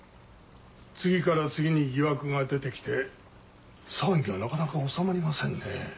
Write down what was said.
次から次に疑惑が出て来て騒ぎがなかなか収まりませんねぇ。